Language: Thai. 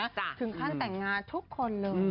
ถึงขั้นแต่งงานทุกคนเลย